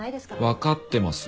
わかってます。